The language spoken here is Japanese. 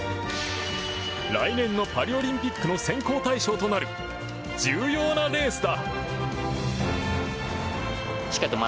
来年のパリオリンピックの選考対象となる重要なレースだ。